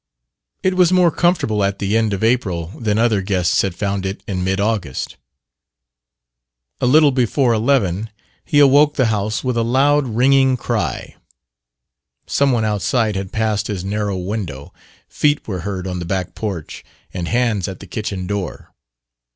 It was more comfortable at the end of April than other guests had found it in mid August. A little before eleven he awoke the house with a loud, ringing cry. Some one outside had passed his narrow window; feet were heard on the back porch and hands at the kitchen door.